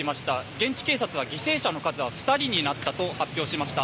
現地警察は、犠牲者の数は２人になったと発表しました。